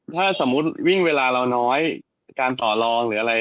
ถ้าสมมุติวิ่งเวลาเราน้อยการต่อลองหรืออะไร